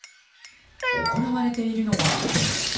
行われているのは。